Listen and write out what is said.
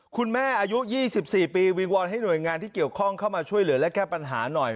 อายุ๒๔ปีวิงวอนให้หน่วยงานที่เกี่ยวข้องเข้ามาช่วยเหลือและแก้ปัญหาหน่อย